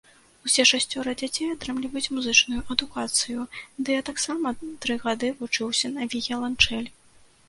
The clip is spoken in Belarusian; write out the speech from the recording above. Усе шасцёра дзяцей атрымліваюць музычную адукацыю, ды я таксама тры гады вучыўся на віяланчэль.